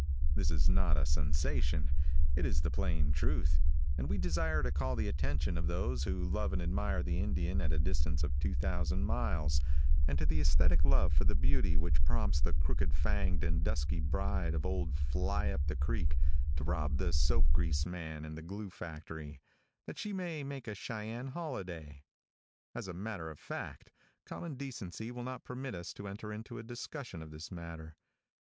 This is not a sensation, it is the plain truth, and we desire to call the attention of those who love and admire the Indian at a distance of 2,000 miles, and to the aesthetic love for the beautiful which prompts the crooked fanged and dusky bride of old Fly up the Creek to rob the soap grease man and the glue factory, that she may make a Cheyenne holiday. As a matter of fact, common decency will not permit us to enter into a discussion of this matter.